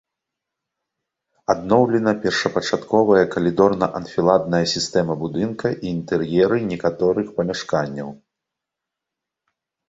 Адноўлена першапачатковая калідорна-анфіладная сістэма будынка і інтэр'еры некаторых памяшканняў.